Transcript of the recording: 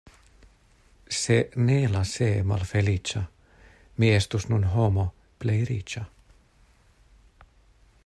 Se ne la "se" malfeliĉa, mi estus nun homo plej riĉa.